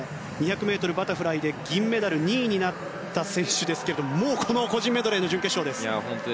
２００ｍバタフライで銀メダル２位になった選手ですがもう、この個人メドレーの準決勝です。